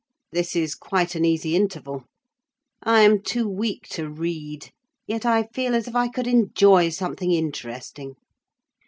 This is quite an easy interval. I am too weak to read; yet I feel as if I could enjoy something interesting.